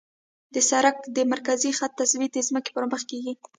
د سړک د مرکزي خط تثبیت د ځمکې پر مخ کیږي